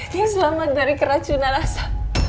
ini selamat dari keracunan rasa